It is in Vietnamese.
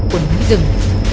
của những dừng